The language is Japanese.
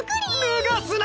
脱がすな！